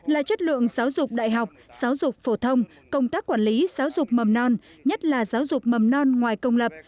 là chất lượng giáo dục đại học giáo dục phổ thông công tác quản lý giáo dục mầm non nhất là giáo dục mầm non ngoài công lập